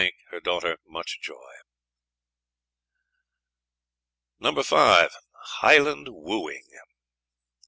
her Daughter much Joy." No. V. HIGHLAND WOOING.